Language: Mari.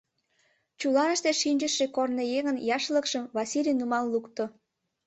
Чуланыште шинчыше корныеҥын яшлыкшым Васлий нумал лукто.